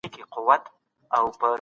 که هنري تخیل وي نو لوستونکی خوند اخلي.